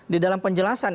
di dalam penjelasan